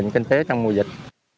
kinh tế trong mùa dịch